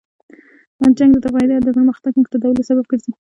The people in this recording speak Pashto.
جنګ د تباهۍ او د پرمختګ محدودولو سبب ګرځي.